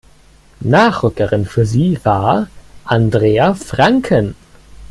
Nachrückerin für sie war Andrea Franken.